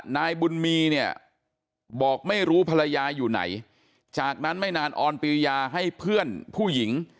นายบุญมีเนี่ยบอกไม่รู้ภรรยาอยู่ไหนจากนั้นไม่นานออนปริยาให้เพื่อนผู้หญิง